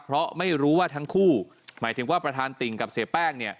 เพราะไม่รู้ว่าทั้งคู่หมายถึงว่าประธานติ่งกับเสียแป้งเนี่ย